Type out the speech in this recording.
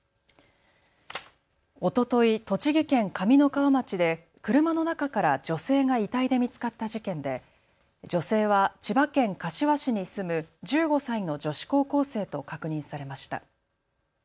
おととい栃木県上三川町で車の中から女性が遺体で見つかった事件で女性は千葉県柏市に住む１５歳の女子高校生と確認されました。